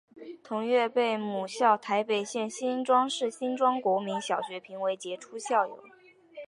同月被母校台北县新庄市新庄国民小学评为杰出校友。